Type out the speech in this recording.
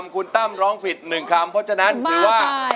คุณตั้มร้องผิด๑คำเพราะฉะนั้นถือว่า